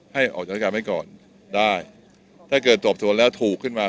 ให้ออกจากราชการไว้ก่อนได้ถ้าเกิดสอบสวนแล้วถูกขึ้นมา